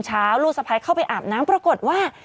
ลูกสะพ้ายเข้าไปอาบน้ำปรากฏว่า